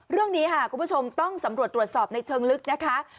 เรื่องนี้ค่ะคุณผู้ชมต้องสำรวจตรวจสอบในเชิงลึกนะคะ